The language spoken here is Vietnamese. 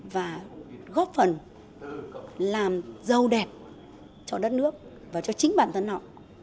và góp phần làm giàu đẹp cho đất nước và cho chính bản thân họ